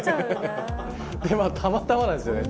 でまあたまたまなんですよね。